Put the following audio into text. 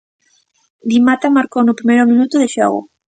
Dimata marcou no primeiro minuto de xogo.